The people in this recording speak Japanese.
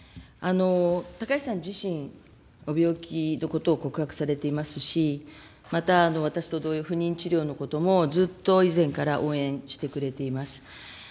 高市さん自身、ご病気のことを告白されていますし、また私と同様、不妊治療のこともずっと以前から応援してくれています。